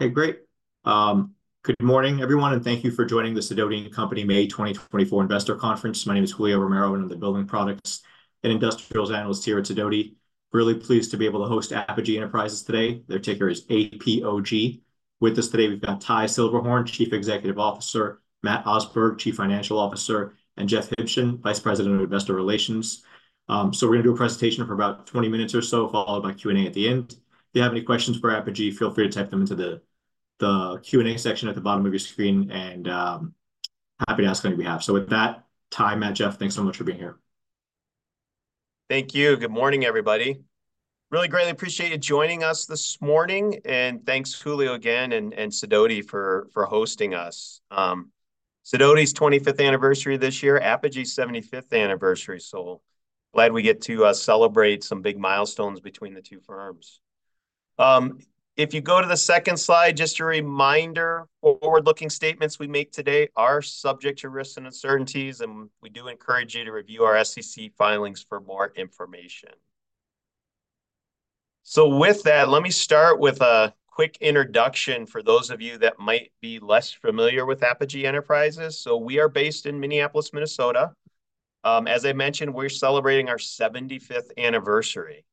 Okay, great. Good morning, everyone, and thank you for joining the Sidoti & Company May 2024 investor conference. My name is Julio Romero, and I'm the Building Products and Industrials Analyst here at Sidoti. Really pleased to be able to host Apogee Enterprises today. Their ticker is APOG. With us today, we've got Ty Silberhorn, Chief Executive Officer; Matt Osberg, Chief Financial Officer; and Jeff Hemingway, Vice President of Investor Relations. So we're going to do a presentation for about 20 minutes or so, followed by Q&A at the end. If you have any questions for Apogee, feel free to type them into the Q&A section at the bottom of your screen, and happy to ask on your behalf. So with that, Ty, Matt, Jeff, thanks so much for being here. Thank you. Good morning, everybody. Really greatly appreciate you joining us this morning, and thanks, Julio, again, and, and Sidoti for, for hosting us. Sidoti's 25th anniversary this year, Apogee's 75th anniversary, so glad we get to, celebrate some big milestones between the two firms. If you go to the second slide, just a reminder: forward-looking statements we make today are subject to risks and uncertainties, and we do encourage you to review our SEC filings for more information. So with that, let me start with a quick introduction for those of you that might be less familiar with Apogee Enterprises. So we are based in Minneapolis, Minnesota. As I mentioned, we're celebrating our 75th anniversary.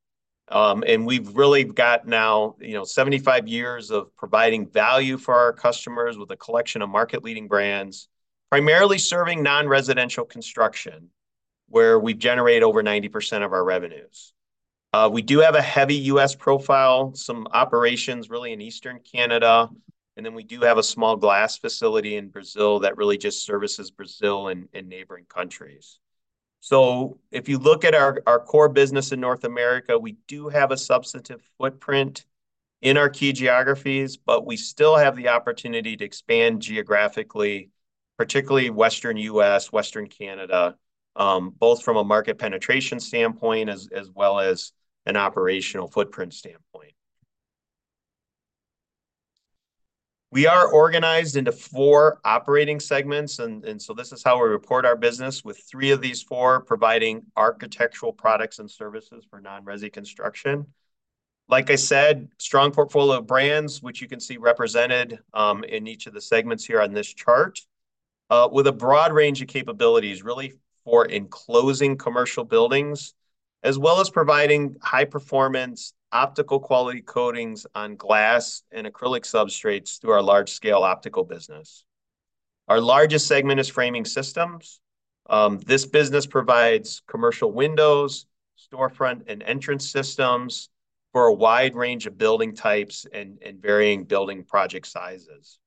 And we've really got now, you know, 75 years of providing value for our customers with a collection of market-leading brands, primarily serving non-residential construction, where we generate over 90% of our revenues. We do have a heavy U.S. profile, some operations really in Eastern Canada, and then we do have a small glass facility in Brazil that really just services Brazil and, and neighboring countries. So if you look at our, our core business in North America, we do have a substantive footprint in our key geographies, but we still have the opportunity to expand geographically, particularly Western U.S., Western Canada, both from a market penetration standpoint as, as well as an operational footprint standpoint. We are organized into four operating segments, and, and so this is how we report our business, with three of these four providing architectural products and services for non-resi construction. Like I said, strong portfolio of brands, which you can see represented, in each of the segments here on this chart, with a broad range of capabilities, really for enclosing commercial buildings, as well as providing high-performance optical-quality coatings on glass and acrylic substrates through our large-scale optical business. Our largest segment is framing systems. This business provides commercial windows, storefront, and entrance systems for a wide range of building types and, and varying building project sizes.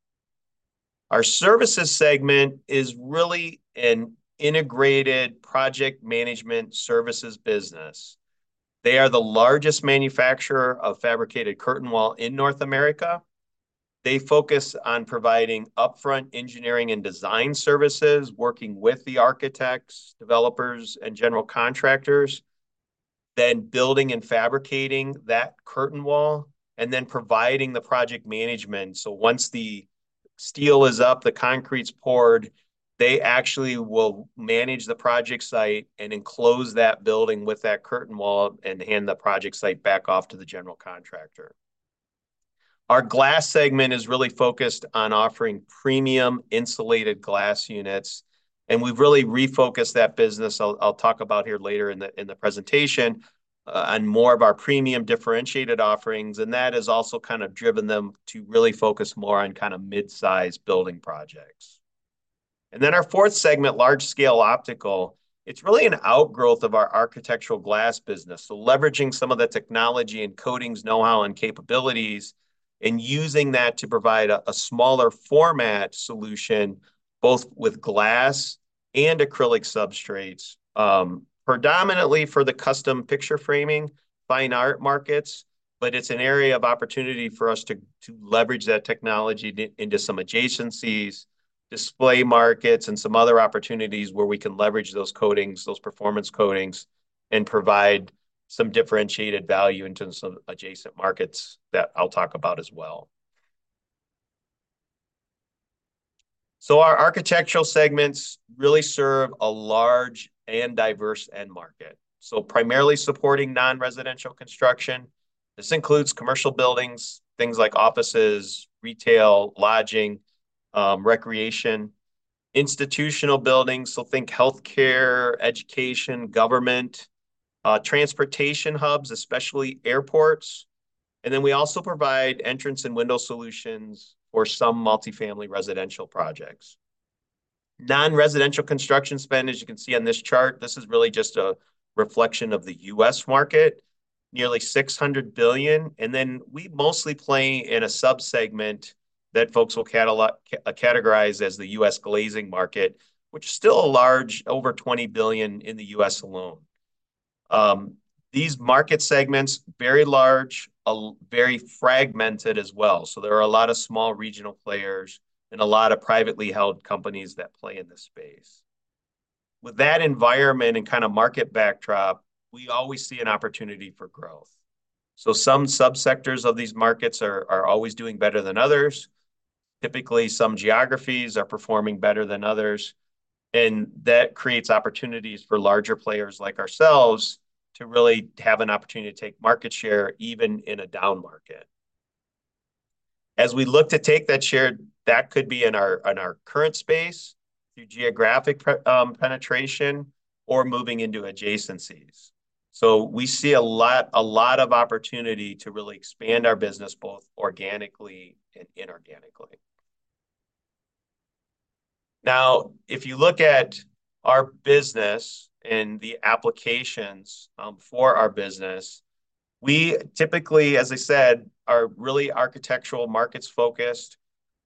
Our services segment is really an integrated project management services business. They are the largest manufacturer of fabricated curtain wall in North America. They focus on providing upfront engineering and design services, working with the architects, developers, and general contractors, then building and fabricating that curtain wall, and then providing the project management. Once the steel is up, the concrete's poured, they actually will manage the project site and enclose that building with that curtain wall and hand the project site back off to the general contractor. Our glass segment is really focused on offering premium insulated glass units, and we've really refocused that business (I'll talk about it here later in the presentation), on more of our premium differentiated offerings, and that has also kind of driven them to really focus more on kind of midsize building projects. Our fourth segment, Large-Scale Optical, it's really an outgrowth of our architectural glass business, so leveraging some of the technology and coatings, know-how, and capabilities, and using that to provide a smaller format solution, both with glass and acrylic substrates, predominantly for the custom picture framing fine art markets. But it's an area of opportunity for us to leverage that technology into some adjacencies, display markets, and some other opportunities where we can leverage those coatings, those performance coatings, and provide some differentiated value into some adjacent markets that I'll talk about as well. So our architectural segments really serve a large and diverse end market, so primarily supporting non-residential construction. This includes commercial buildings, things like offices, retail, lodging, recreation, institutional buildings - so think healthcare, education, government - transportation hubs, especially airports - and then we also provide entrance and window solutions for some multifamily residential projects. Non-residential construction spend, as you can see on this chart, this is really just a reflection of the U.S. market, nearly $600 billion, and then we mostly play in a subsegment that folks will categorize as the U.S. glazing market, which is still a large, over $20 billion in the U.S. alone. These market segments are very large, very fragmented as well, so there are a lot of small regional players and a lot of privately held companies that play in this space. With that environment and kind of market backdrop, we always see an opportunity for growth. So some subsectors of these markets are always doing better than others. Typically, some geographies are performing better than others, and that creates opportunities for larger players like ourselves to really have an opportunity to take market share even in a down market. As we look to take that share, that could be in our current space through geographic penetration or moving into adjacencies. So we see a lot, a lot of opportunity to really expand our business both organically and inorganically. Now, if you look at our business and the applications, for our business, we typically, as I said, are really architectural markets-focused.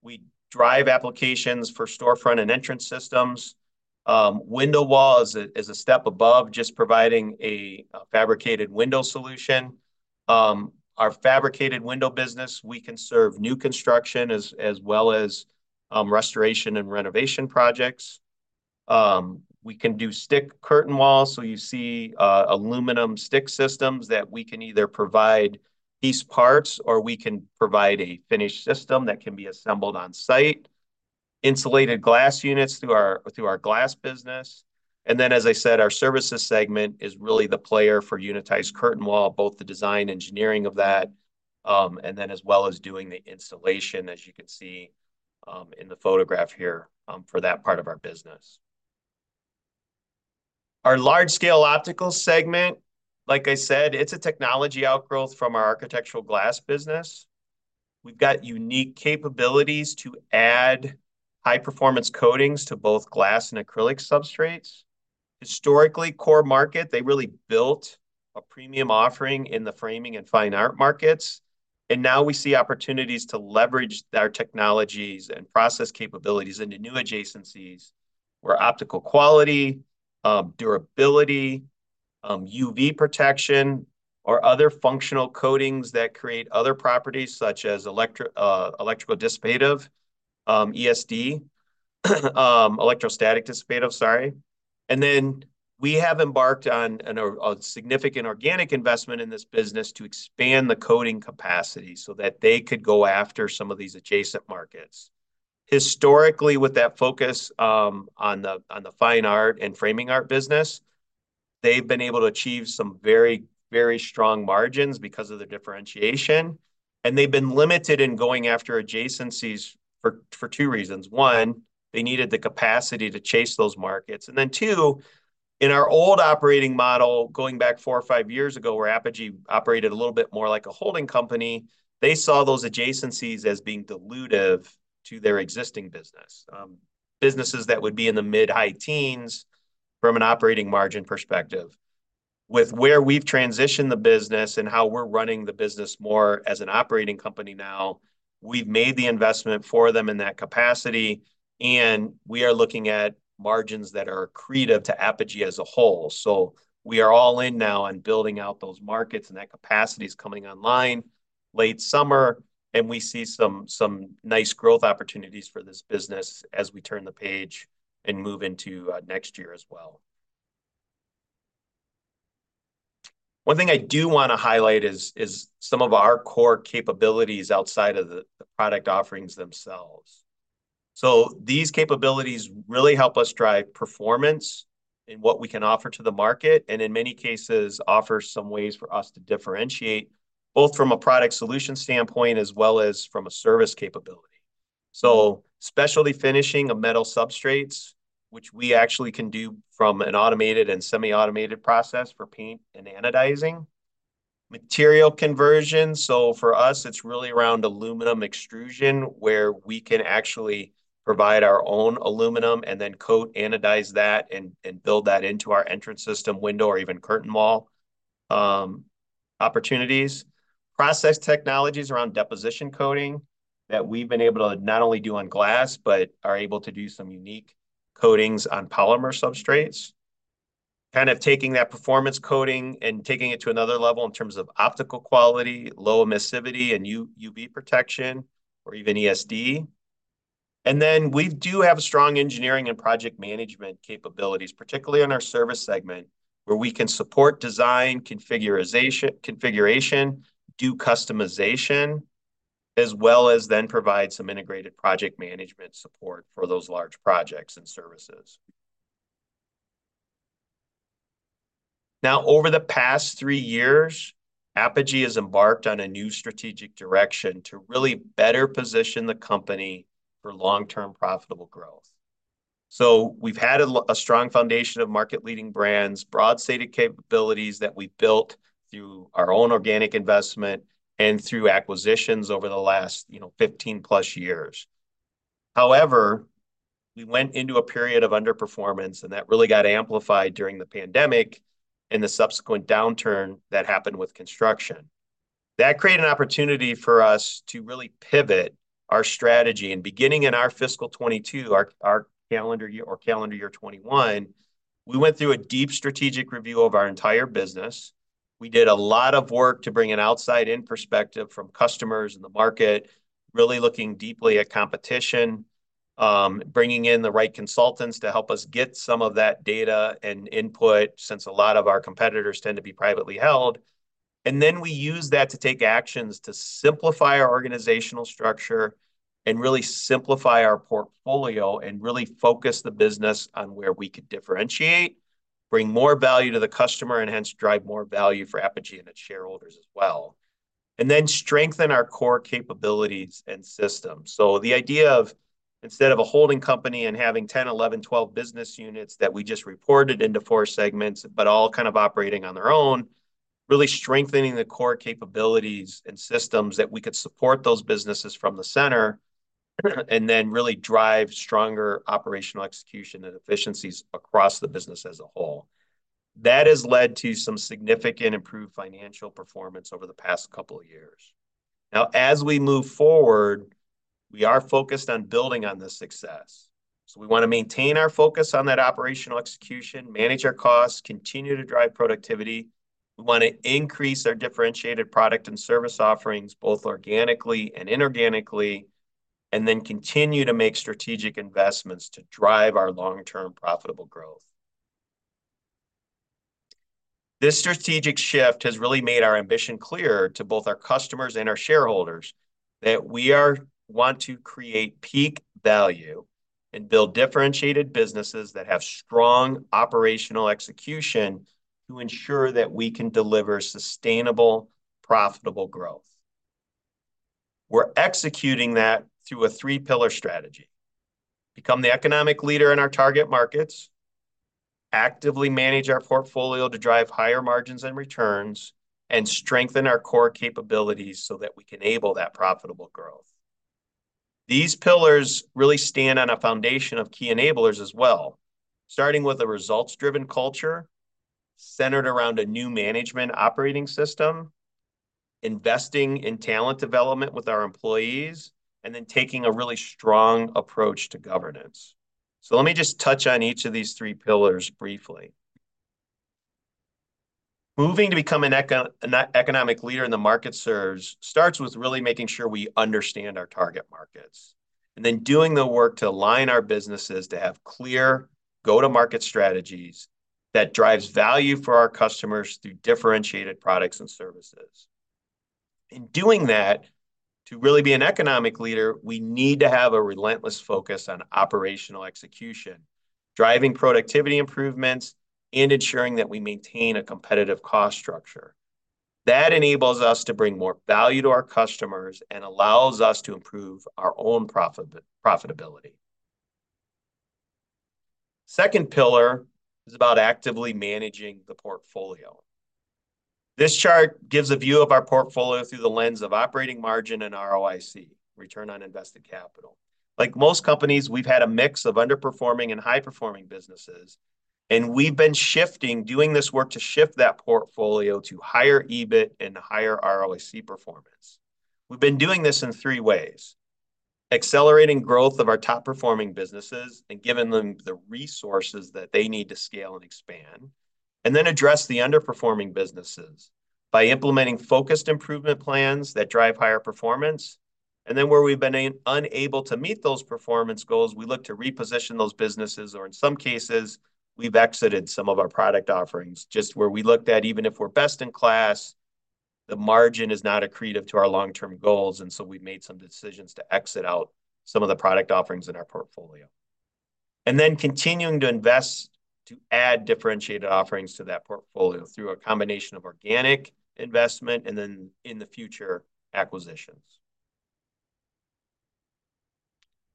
We drive applications for storefront and entrance systems. Window wall is a step above, just providing a fabricated window solution. Our fabricated window business, we can serve new construction as well as restoration and renovation projects. We can do stick curtain wall, so you see, aluminum stick systems that we can either provide piece parts or we can provide a finished system that can be assembled on-site, insulated glass units through our glass business. And then, as I said, our services segment is really the player for unitized curtain wall, both the design engineering of that, and then as well as doing the installation, as you can see, in the photograph here, for that part of our business. Our large-scale optical segment, like I said, it's a technology outgrowth from our architectural glass business. We've got unique capabilities to add high-performance coatings to both glass and acrylic substrates. Historically, core market, they really built a premium offering in the framing and fine art markets, and now we see opportunities to leverage our technologies and process capabilities into new adjacencies where optical quality, durability, UV protection, or other functional coatings that create other properties such as electrostatic dissipative, ESD, sorry. And then we have embarked on a significant organic investment in this business to expand the coating capacity so that they could go after some of these adjacent markets. Historically, with that focus on the fine art and framing art business, they've been able to achieve some very, very strong margins because of the differentiation, and they've been limited in going after adjacencies for two reasons. One, they needed the capacity to chase those markets. And then two, in our old operating model, going back four or five years ago, where Apogee operated a little bit more like a holding company, they saw those adjacencies as being dilutive to their existing business, businesses that would be in the mid-high teens from an operating margin perspective. With where we've transitioned the business and how we're running the business more as an operating company now, we've made the investment for them in that capacity, and we are looking at margins that are accretive to Apogee as a whole. So we are all in now on building out those markets, and that capacity's coming online late summer, and we see some nice growth opportunities for this business as we turn the page and move into next year as well. One thing I do want to highlight is some of our core capabilities outside of the product offerings themselves. So these capabilities really help us drive performance in what we can offer to the market and, in many cases, offer some ways for us to differentiate, both from a product solution standpoint as well as from a service capability. So specialty finishing of metal substrates, which we actually can do from an automated and semi-automated process for paint and anodizing. Material conversion, so for us, it's really around aluminum extrusion where we can actually provide our own aluminum and then coat, anodize that, and build that into our entrance system, window, or even curtain wall opportunities. Process technologies around deposition coating that we've been able to not only do on glass but are able to do some unique coatings on polymer substrates, kind of taking that performance coating and taking it to another level in terms of optical quality, low emissivity, and UV protection, or even ESD. And then we do have strong engineering and project management capabilities, particularly on our service segment, where we can support design configuration, do customization, as well as then provide some integrated project management support for those large projects and services. Now, over the past three years, Apogee has embarked on a new strategic direction to really better position the company for long-term profitable growth. So we've had a strong foundation of market-leading brands, broad-based capabilities that we built through our own organic investment and through acquisitions over the last, you know, 15+ years. However, we went into a period of underperformance, and that really got amplified during the pandemic and the subsequent downturn that happened with construction. That created an opportunity for us to really pivot our strategy. And beginning in our fiscal 2022, our calendar year 2021, we went through a deep strategic review of our entire business. We did a lot of work to bring an outside-in perspective from customers and the market, really looking deeply at competition, bringing in the right consultants to help us get some of that data and input since a lot of our competitors tend to be privately held. And then we used that to take actions to simplify our organizational structure and really simplify our portfolio and really focus the business on where we could differentiate, bring more value to the customer, and hence drive more value for Apogee and its shareholders as well, and then strengthen our core capabilities and systems. So the idea of, instead of a holding company and having 10, 11, 12 business units that we just reported into four segments but all kind of operating on their own, really strengthening the core capabilities and systems that we could support those businesses from the center and then really drive stronger operational execution and efficiencies across the business as a whole. That has led to some significant improved financial performance over the past couple of years. Now, as we move forward, we are focused on building on this success. So we want to maintain our focus on that operational execution, manage our costs, continue to drive productivity. We want to increase our differentiated product and service offerings, both organically and inorganically, and then continue to make strategic investments to drive our long-term profitable growth. This strategic shift has really made our ambition clear to both our customers and our shareholders that we want to create peak value and build differentiated businesses that have strong operational execution to ensure that we can deliver sustainable, profitable growth. We're executing that through a three-pillar strategy: become the economic leader in our target markets, actively manage our portfolio to drive higher margins and returns, and strengthen our core capabilities so that we can enable that profitable growth. These pillars really stand on a foundation of key enablers as well, starting with a results-driven culture centered around a new management operating system, investing in talent development with our employees, and then taking a really strong approach to governance. Let me just touch on each of these three pillars briefly. Moving to become an economic leader in the markets starts with really making sure we understand our target markets and then doing the work to align our businesses to have clear go-to-market strategies that drive value for our customers through differentiated products and services. In doing that, to really be an economic leader, we need to have a relentless focus on operational execution, driving productivity improvements, and ensuring that we maintain a competitive cost structure. That enables us to bring more value to our customers and allows us to improve our own profitability. The second pillar is about actively managing the portfolio. This chart gives a view of our portfolio through the lens of operating margin and ROIC, return on invested capital. Like most companies, we've had a mix of underperforming and high-performing businesses, and we've been shifting, doing this work to shift that portfolio to higher EBIT and higher ROIC performance. We've been doing this in three ways: accelerating growth of our top-performing businesses and giving them the resources that they need to scale and expand, and then address the underperforming businesses by implementing focused improvement plans that drive higher performance. And then, where we've been unable to meet those performance goals, we look to reposition those businesses, or in some cases, we've exited some of our product offerings, just where we looked at, even if we're best in class, the margin is not accretive to our long-term goals, and so we've made some decisions to exit out some of the product offerings in our portfolio, and then continuing to invest to add differentiated offerings to that portfolio through a combination of organic investment and then, in the future, acquisitions.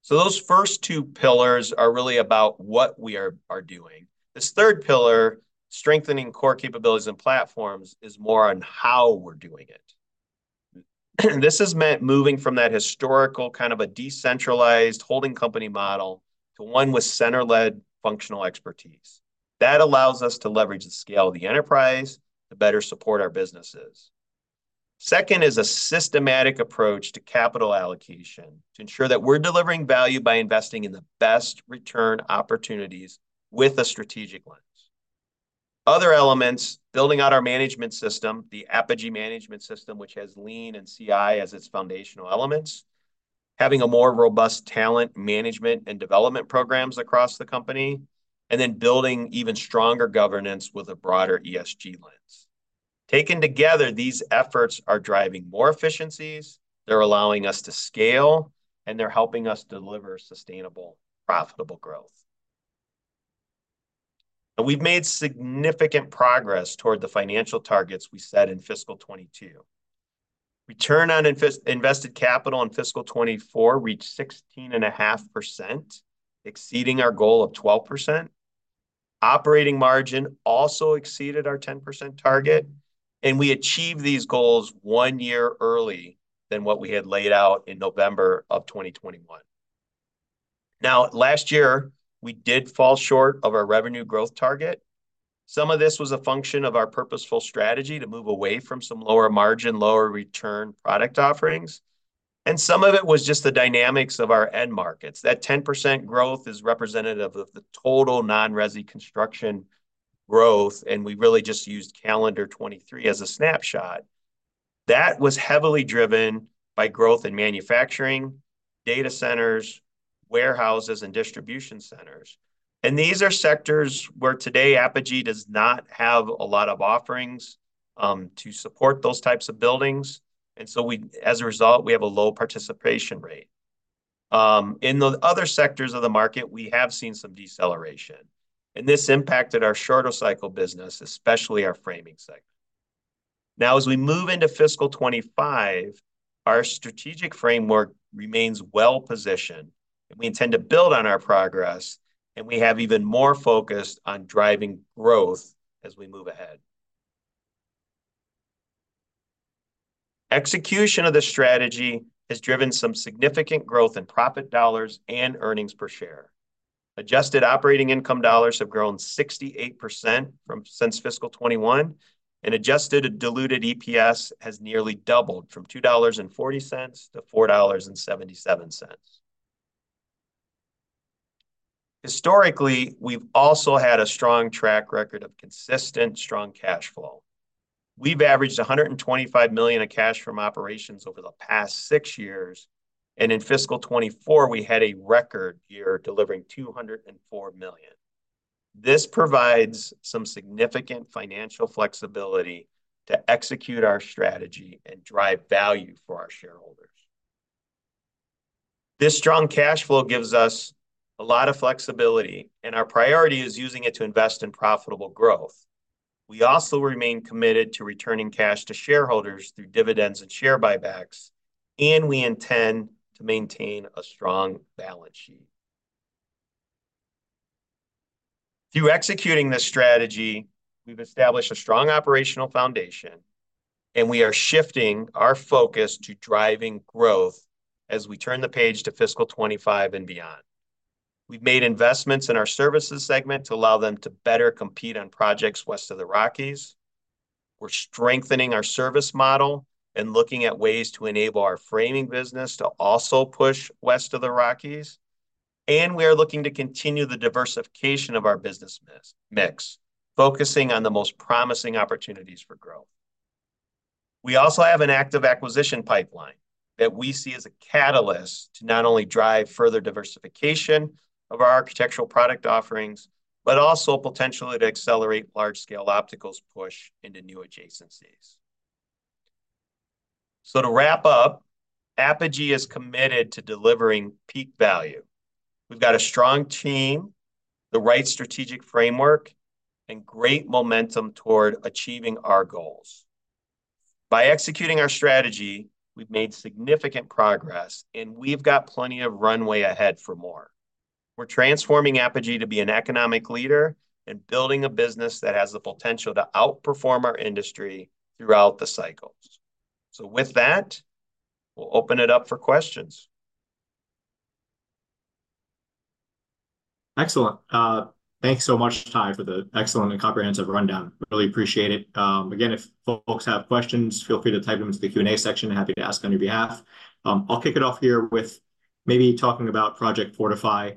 So those first two pillars are really about what we are doing. This third pillar, strengthening core capabilities and platforms, is more on how we're doing it. This has meant moving from that historical kind of a decentralized holding company model to one with center-led functional expertise. That allows us to leverage the scale of the enterprise to better support our businesses. The second is a systematic approach to capital allocation to ensure that we're delivering value by investing in the best return opportunities with a strategic lens. Other elements: building out our management system, the Apogee Management System, which has Lean and CI as its foundational elements, having more robust talent management and development programs across the company, and then building even stronger governance with a broader ESG lens. Taken together, these efforts are driving more efficiencies, they're allowing us to scale, and they're helping us deliver sustainable, profitable growth. We've made significant progress toward the financial targets we set in fiscal 2022. Return on Invested Capital in fiscal 2024 reached 16.5%, exceeding our goal of 12%. Operating margin also exceeded our 10% target, and we achieved these goals one year early than what we had laid out in November of 2021. Now, last year, we did fall short of our revenue growth target. Some of this was a function of our purposeful strategy to move away from some lower margin, lower return product offerings, and some of it was just the dynamics of our end markets. That 10% growth is representative of the total non-resi construction growth, and we really just used calendar 2023 as a snapshot. That was heavily driven by growth in manufacturing, data centers, warehouses, and distribution centers. These are sectors where today Apogee does not have a lot of offerings to support those types of buildings, and so we, as a result, we have a low participation rate. In the other sectors of the market, we have seen some deceleration, and this impacted our shorter cycle business, especially our framing segment. Now, as we move into fiscal 2025, our strategic framework remains well-positioned, and we intend to build on our progress, and we have even more focus on driving growth as we move ahead. Execution of the strategy has driven some significant growth in profit dollars and earnings per share. Adjusted operating income dollars have grown 68% since fiscal 2021, and adjusted diluted EPS has nearly doubled from $2.40-$4.77. Historically, we've also had a strong track record of consistent, strong cash flow. We've averaged $125 million of cash from operations over the past six years, and in fiscal 2024, we had a record year delivering $204 million. This provides some significant financial flexibility to execute our strategy and drive value for our shareholders. This strong cash flow gives us a lot of flexibility, and our priority is using it to invest in profitable growth. We also remain committed to returning cash to shareholders through dividends and share buybacks, and we intend to maintain a strong balance sheet. Through executing this strategy, we've established a strong operational foundation, and we are shifting our focus to driving growth as we turn the page to fiscal 2025 and beyond. We've made investments in our services segment to allow them to better compete on projects west of the Rockies. We're strengthening our service model and looking at ways to enable our framing business to also push west of the Rockies, and we are looking to continue the diversification of our business mix, focusing on the most promising opportunities for growth. We also have an active acquisition pipeline that we see as a catalyst to not only drive further diversification of our architectural product offerings but also potentially to accelerate Large-Scale Optical's push into new adjacencies. So to wrap up, Apogee is committed to delivering peak value. We've got a strong team, the right strategic framework, and great momentum toward achieving our goals. By executing our strategy, we've made significant progress, and we've got plenty of runway ahead for more. We're transforming Apogee to be an economic leader and building a business that has the potential to outperform our industry throughout the cycles. So with that, we'll open it up for questions. Excellent. Thanks so much, Ty, for the excellent and comprehensive rundown. Really appreciate it. Again, if folks have questions, feel free to type them into the Q&A section. Happy to ask on your behalf. I'll kick it off here with maybe talking about Project Fortify.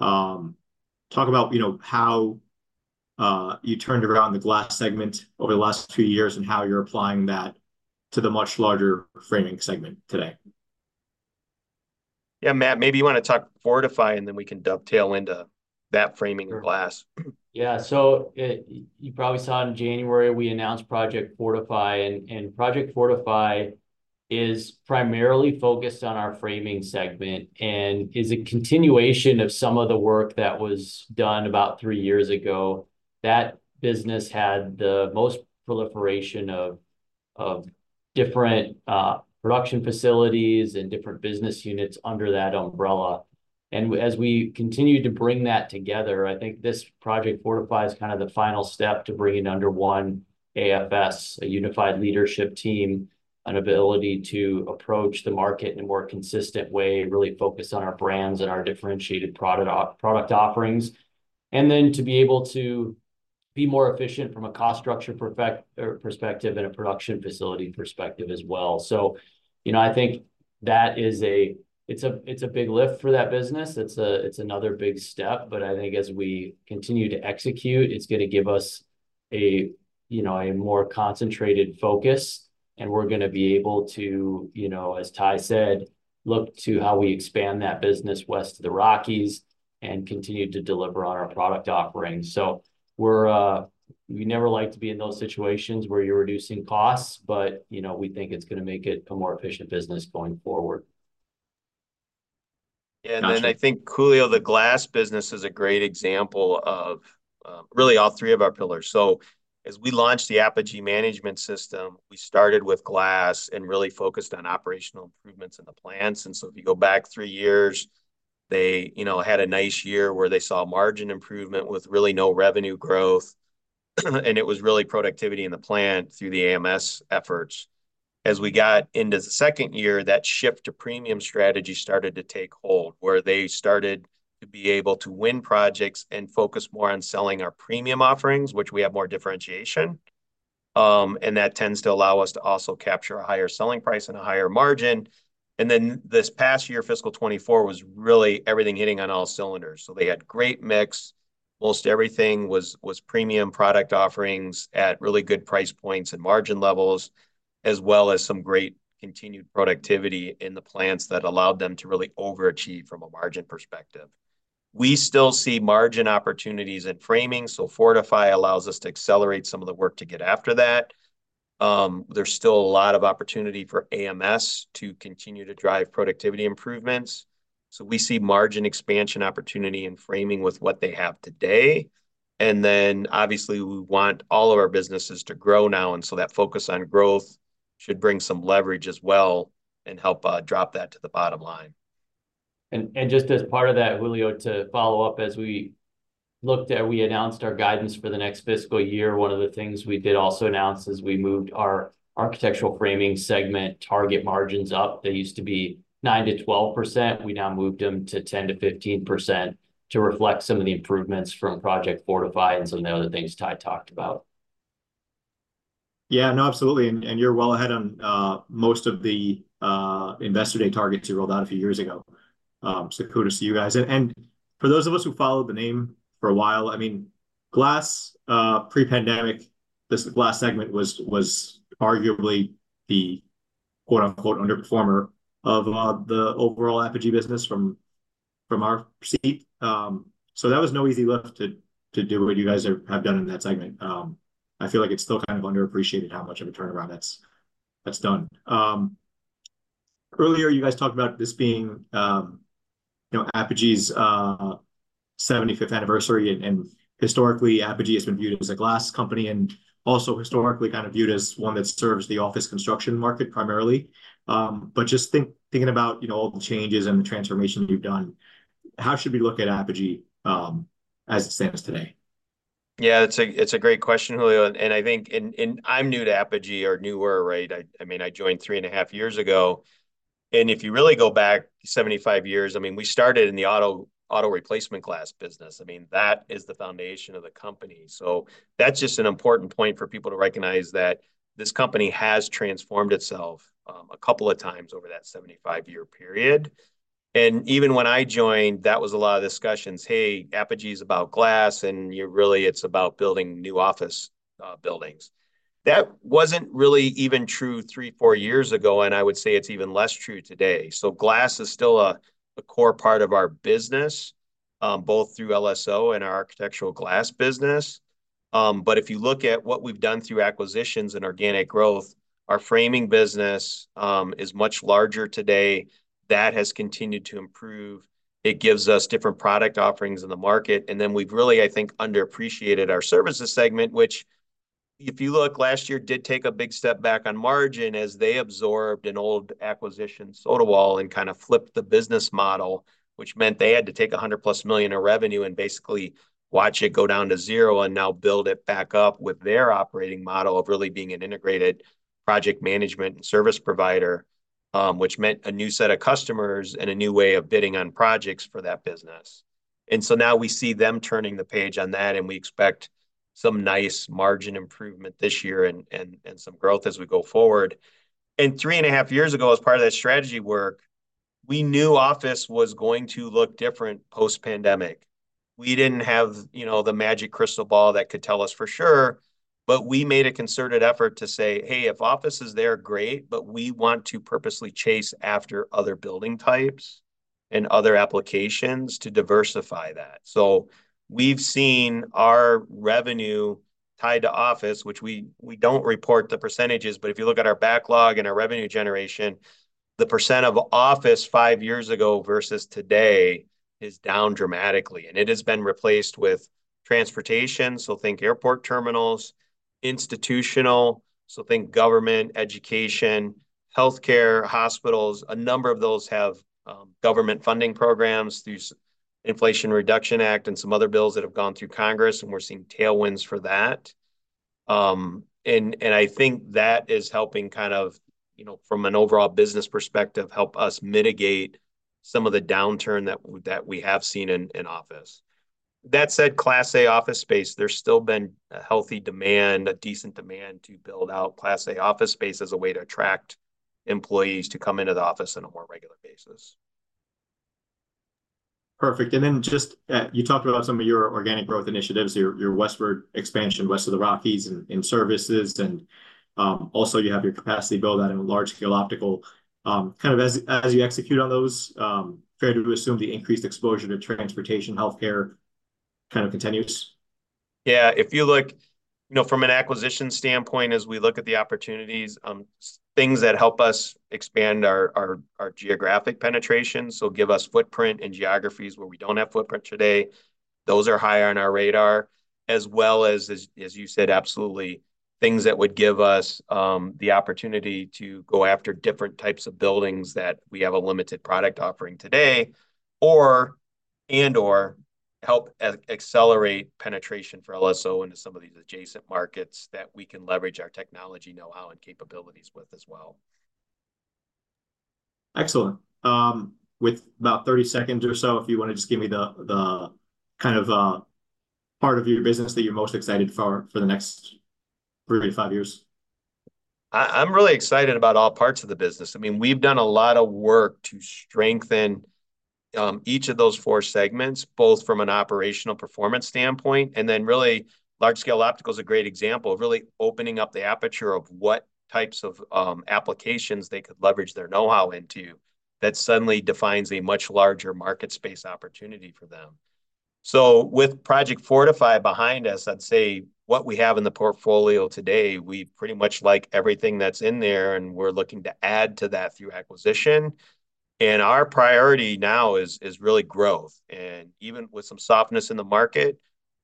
Talk about, you know, how you turned around the glass segment over the last few years and how you're applying that to the much larger framing segment today? Yeah, Matt, maybe you want to talk Fortify, and then we can dovetail into that framing and glass. Yeah. So you probably saw in January, we announced Project Fortify, and Project Fortify is primarily focused on our framing segment and is a continuation of some of the work that was done about three years ago. That business had the most proliferation of different production facilities and different business units under that umbrella. And as we continue to bring that together, I think this Project Fortify is kind of the final step to bringing under one AFS, a unified leadership team, an ability to approach the market in a more consistent way, really focus on our brands and our differentiated product offerings, and then to be able to be more efficient from a cost structure perspective and a production facility perspective as well. So, you know, I think that is it's a big lift for that business. It's another big step. But I think as we continue to execute, it's going to give us a, you know, a more concentrated focus, and we're going to be able to, you know, as Ty said, look to how we expand that business west of the Rockies and continue to deliver on our product offerings. So we're never like to be in those situations where you're reducing costs, but, you know, we think it's going to make it a more efficient business going forward. Yeah. Then I think the glass business is a great example of really all three of our pillars. So as we launched the Apogee Management System, we started with glass and really focused on operational improvements in the plants. So if you go back three years, they, you know, had a nice year where they saw margin improvement with really no revenue growth, and it was really productivity in the plant through the AMS efforts. As we got into the second year, that shift to premium strategy started to take hold, where they started to be able to win projects and focus more on selling our premium offerings, which we have more differentiation, and that tends to allow us to also capture a higher selling price and a higher margin. Then this past year, fiscal 2024, was really everything hitting on all cylinders. So they had great mix. Most everything was premium product offerings at really good price points and margin levels, as well as some great continued productivity in the plants that allowed them to really overachieve from a margin perspective. We still see margin opportunities in framing, so Fortify allows us to accelerate some of the work to get after that. There's still a lot of opportunity for AMS to continue to drive productivity improvements. So we see margin expansion opportunity in framing with what they have today. And then, obviously, we want all of our businesses to grow now, and so that focus on growth should bring some leverage as well and help drop that to the bottom line. Just as part of that, Julio, to follow up, as we looked at we announced our guidance for the next fiscal year, one of the things we did also announce is we moved our architectural framing segment target margins up. They used to be 9%-12%. We now moved them to 10%-15% to reflect some of the improvements from Project Fortify and some of the other things Ty talked about. Yeah. No, absolutely. And you're well ahead on most of the investor day targets you rolled out a few years ago. So kudos to you guys. And for those of us who followed the name for a while, I mean, glass pre-pandemic, this glass segment was arguably the "underperformer" of the overall Apogee business from our seat. So that was no easy lift to do what you guys have done in that segment. I feel like it's still kind of underappreciated how much of a turnaround that's done. Earlier, you guys talked about this being, you know, Apogee's 75th anniversary, and historically, Apogee has been viewed as a glass company and also historically kind of viewed as one that serves the office construction market primarily. But just thinking about, you know, all the changes and the transformation you've done, how should we look at Apogee as it stands today? Yeah. It's a great question, Julio, and I think I'm new to Apogee or newer, right? I mean, I joined 3.5 years ago. And if you really go back 75 years, I mean, we started in the auto replacement glass business. I mean, that is the foundation of the company. So that's just an important point for people to recognize that this company has transformed itself a couple of times over that 75-year period. And even when I joined, that was a lot of discussions, "Hey, Apogee is about glass, and you really it's about building new office buildings." That wasn't really even true three, four years ago, and I would say it's even less true today. So glass is still a core part of our business, both through LSO and our architectural glass business. But if you look at what we've done through acquisitions and organic growth, our framing business is much larger today. That has continued to improve. It gives us different product offerings in the market. And then we've really, I think, underappreciated our services segment, which, if you look, last year did take a big step back on margin as they absorbed an old acquisition Sotawall and kind of flipped the business model, which meant they had to take $100+ million of revenue and basically watch it go down to zero and now build it back up with their operating model of really being an integrated project management and service provider, which meant a new set of customers and a new way of bidding on projects for that business. So now we see them turning the page on that, and we expect some nice margin improvement this year and some growth as we go forward. 3.5 years ago, as part of that strategy work, we knew office was going to look different post-pandemic. We didn't have, you know, the magic crystal ball that could tell us for sure, but we made a concerted effort to say, "Hey, if office is there, great, but we want to purposely chase after other building types and other applications to diversify that." We've seen our revenue tied to office, which we don't report the percentages, but if you look at our backlog and our revenue generation, the percent of office five years ago versus today is down dramatically. It has been replaced with transportation, so think airport terminals, institutional, so think government, education, healthcare, hospitals. A number of those have government funding programs through the Inflation Reduction Act and some other bills that have gone through Congress, and we're seeing tailwinds for that. And I think that is helping kind of, you know, from an overall business perspective, help us mitigate some of the downturn that we have seen in office. That said, Class A office space, there's still been a healthy demand, a decent demand to build out Class A office space as a way to attract employees to come into the office on a more regular basis. Perfect. And then just you talked about some of your organic growth initiatives, your westward expansion, west of the Rockies in services, and also you have your capacity buildout in Large-Scale Optical. Kind of as you execute on those, fair to assume the increased exposure to transportation, healthcare kind of continues? Yeah. If you look, you know, from an acquisition standpoint, as we look at the opportunities, things that help us expand our geographic penetration, so give us footprint in geographies where we don't have footprint today. Those are higher on our radar, as well as, as you said, absolutely, things that would give us the opportunity to go after different types of buildings that we have a limited product offering today and/or help accelerate penetration for LSO into some of these adjacent markets that we can leverage our technology know-how and capabilities with as well. Excellent. With about 30 seconds or so, if you want to just give me the kind of part of your business that you're most excited for the next 3-5 years. I'm really excited about all parts of the business. I mean, we've done a lot of work to strengthen each of those four segments, both from an operational performance standpoint, and then really Large-Scale Optical is a great example of really opening up the aperture of what types of applications they could leverage their know-how into that suddenly defines a much larger market space opportunity for them. So with Project Fortify behind us, I'd say what we have in the portfolio today, we pretty much like everything that's in there, and we're looking to add to that through acquisition. Our priority now is really growth. Even with some softness in the market,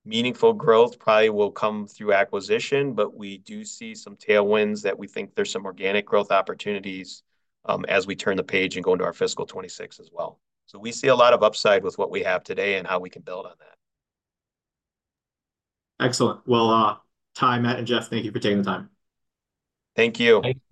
meaningful growth probably will come through acquisition, but we do see some tailwinds that we think there's some organic growth opportunities as we turn the page and go into our fiscal 2026 as well. We see a lot of upside with what we have today and how we can build on that. Excellent. Well, Ty, Matt, and Jeff, thank you for taking the time. Thank you. Thank you.